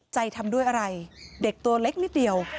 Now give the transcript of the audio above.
ทำด้วยอะไรเด็กตัวเล็กนิดเดียว